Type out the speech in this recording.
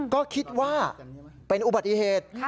ก็คิดว่าเป็นอุบัติเหตุ